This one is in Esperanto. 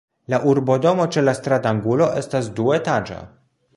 La urbodomo ĉe la stratangulo estas duetaĝa.